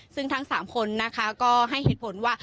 ซึ่งทั้ง๓คนนะคะก็ให้เหตุผลว่า